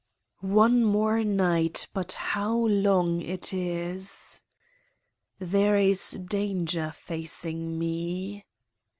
One more night, but how long it is! There is danger facing me.